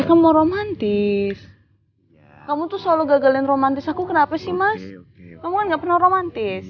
kamu romantis kamu tuh selalu gagalin romantis aku kenapa sih mas kamu nggak pernah romantis